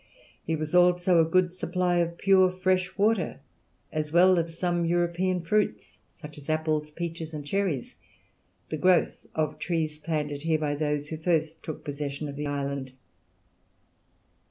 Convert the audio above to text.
Here was also a good supply of pure fresh water, as well as of some European fruits, such as apples, peaches, and cherries, the growth of trees planted here by those who first took possession of the island.